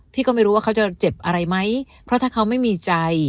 พี่ก็ไม่รู้ว่าเขาจะเจ็บอะไรไหมเพราะถ้าเขาไม่มีใจ